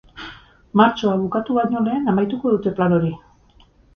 Martxoa bukatu baino lehen amaituko dute plan hori.